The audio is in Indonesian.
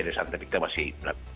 dari saat tapi kita masih